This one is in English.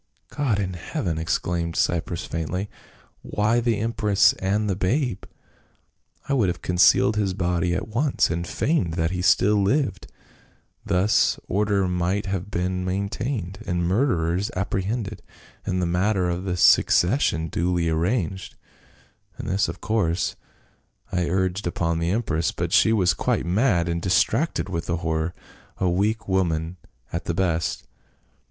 " God in heaven !" exclaimed Cypros faintly. " Why the empress and the babe ?"" I would have concealed his body at once and feigned that he still lived ; thus order might have been maintained, the murderers apprehended, and the matter of the succession duly arranged; and this course I 208 PA UL. urged upon the empress, but she was quite mad and distracted with horror — a weak woman at the best.